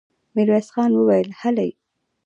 ميرويس خان وويل: هلئ!